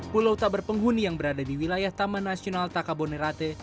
pulau taber penghuni yang berada di wilayah taman nasional takabonerate